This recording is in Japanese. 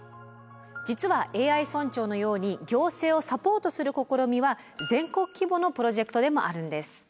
実はＡＩ村長のように行政をサポートする試みは全国規模のプロジェクトでもあるんです。